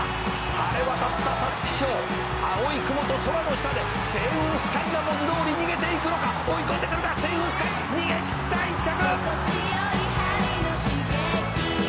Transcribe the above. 晴れ渡った皐月賞」「青い雲と空の下でセイウンスカイが文字どおり逃げていくのか追い込んでくるかセイウンスカイ」「逃げ切った１着！」